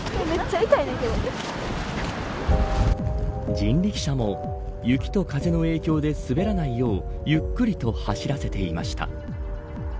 人力車も、雪と風の影響で滑らないようゆっくりと走らせていました。